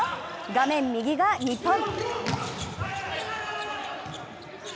画面右が日本。